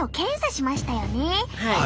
はい。